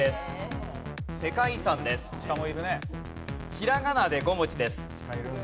ひらがなで５文字です。